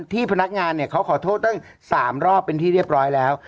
พนักงานเขาขอโทษตั้ง๓รอบเป็นที่เรียบร้อยแล้ว